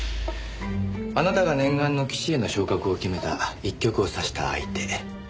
あなたが念願の棋士への昇格を決めた一局を指した相手。